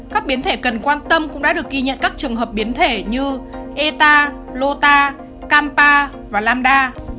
các biến thể cần quan tâm cũng đã được ghi nhận các trường hợp biến thể như eta lota kampa và lamda